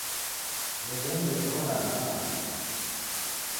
W'ew'eni ndew'ighoragha malagho ghaw'o.